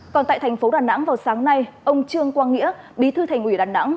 còn tại tp đà nẵng vào sáng nay ông trương quang nghĩa bí thư thành ủy đà nẵng